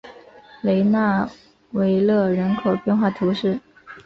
雷讷维勒人口变化图示